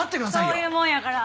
そういうもんやから。